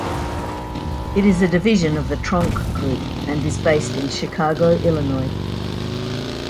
It is a division of the Tronc group, and is based in Chicago, Illinois.